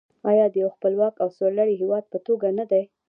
آیا د یو خپلواک او سرلوړي هیواد په توګه نه دی؟